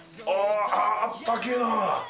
あったけーな。